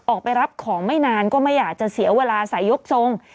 ออกไปรับของไม่นานก็ไม่อยากจะเสียเวลาสายยกทรง